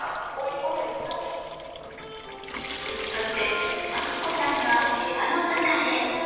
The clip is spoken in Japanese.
そして、明子さんが部屋の中へ。